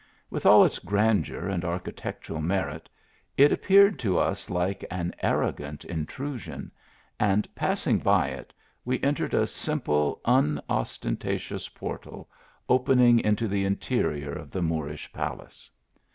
With all ici grandeur and architectural merit, it appeared to Us like an arrogant intrusion, and passing by it we entered a simple unostentatious portal^ opening into the interior of the Moorish palace.